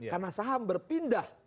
karena saham berpindah